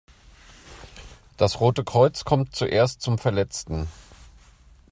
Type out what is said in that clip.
Das Rote Kreuz kommt zuerst zum Verletzten.